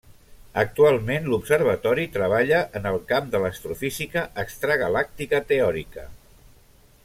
Actualment l'observatori treballa en el camp de l'astrofísica extragalàctica teòrica.